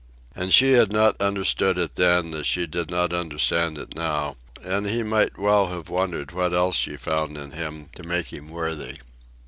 And she had not understood it then, as she did not understand it now, and he might well have wondered what else she found in him to make him worthy.